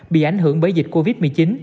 bị ảnh hưởng bởi dịch covid một mươi chín